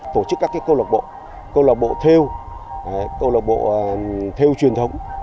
tổ chức các câu lạc bộ câu lạc bộ theo câu lạc bộ theo truyền thống